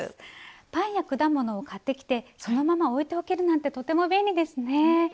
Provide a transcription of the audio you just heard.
パンや果物を買ってきてそのまま置いておけるなんてとても便利ですね！